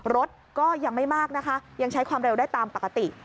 รถก็ยังไม่มากนะคะยังใช้ความเร็วได้ตามปกติ